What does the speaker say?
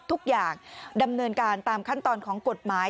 ทุกอย่างดำเนินการตามขั้นตอนของกฎหมาย